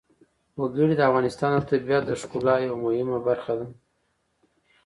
وګړي د افغانستان د طبیعت د ښکلا یوه مهمه برخه ده.